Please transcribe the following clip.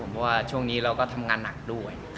เพราะว่าช่วงนี้เราก็ทำงานหนักด้วย